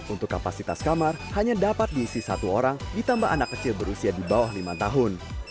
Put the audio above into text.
untuk kapasitas kamar hanya dapat diisi satu orang ditambah anak kecil berusia di bawah lima tahun